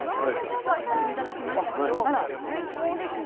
一足先に頂きましたけどもう最高ですね。